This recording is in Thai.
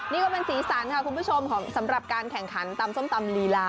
นี่ก็เป็นสีสันค่ะคุณผู้ชมสำหรับการแข่งขันตำส้มตำลีลา